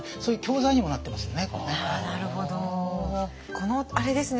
このあれですね